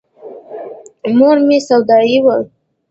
مور مې سودايي وه.